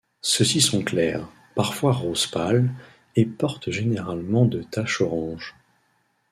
Ceux-ci sont clairs, parfois rose pâle, et portent généralement de taches orange.